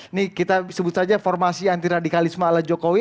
ini kita sebut saja formasi anti radikalisme ala jokowi